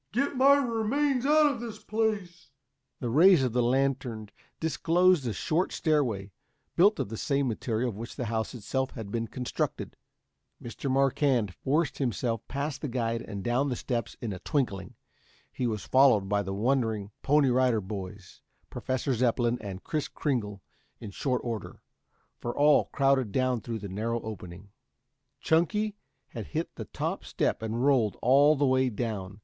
Get my remains out of this place." The rays of the lantern disclosed a short stairway, built of the same material of which the house itself had been constructed. Mr. Marquand forced himself past the guide and was down the steps in a twinkling. He was followed by the wondering Pony Rider Boys, Professor Zepplin and Kris Kringle in short order, for all crowded down through the narrow opening. Chunky had hit the top step and rolled all the way down.